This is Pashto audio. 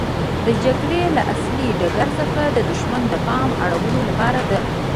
د جګړې له اصلي ډګر څخه د دښمن د پام اړولو لپاره ده.